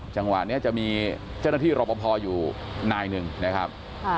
จังหวะนี้จะมีเจ้าหน้าที่รอปภอยู่นายหนึ่งนะครับ